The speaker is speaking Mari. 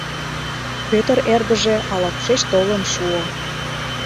— Пӧтыр эргыже ала-кушеч толын шуо.